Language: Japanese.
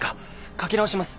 書き直します。